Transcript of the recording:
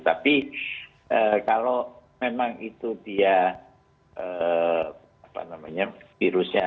tapi kalau memang itu dia apa namanya virusnya jatuh